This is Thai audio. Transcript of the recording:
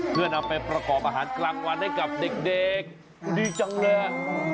เพื่อนำไปประกอบอาหารกลางวันให้กับเด็กดีจังเลยฮะ